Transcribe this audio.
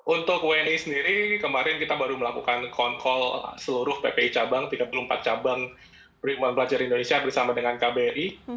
untuk wni sendiri kemarin kita baru melakukan kontrol seluruh ppi cabang tiga puluh empat cabang perlindungan pelajar indonesia bersama dengan kbri